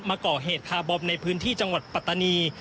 มาก่อเผ็ดขาบอบในพื้นที่จังหวัดปะตนะี